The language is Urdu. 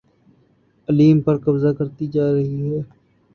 علیم پر قبضہ کرتی جا رہی ہے